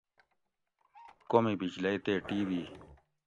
کومی بجلئ تے ٹی وی